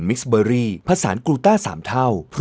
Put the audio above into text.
กินแล้วอิ่มเท้าชาบ